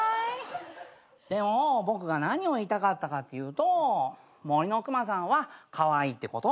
でも僕が何を言いたかったかっていうと森の熊さんはカワイイってこと。